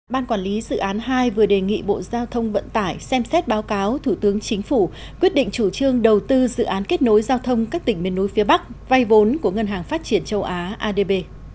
ban quản lý dự án hai vừa đề nghị bộ giao thông vận tải xem xét báo cáo thủ tướng chính phủ quyết định chủ trương đầu tư dự án kết nối giao thông các tỉnh miền núi phía bắc vay vốn của ngân hàng phát triển châu á adb